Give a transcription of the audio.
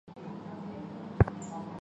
随父徙钱塘。